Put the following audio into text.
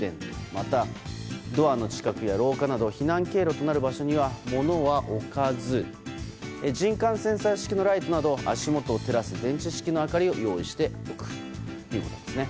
また、ドアの近くや廊下など避難経路となる場所には物は置かず人感センサー式のライトなど足元を照らす電池式の明かりを用意しておくということですね。